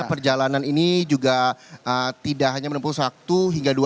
mohon izin bapak menteri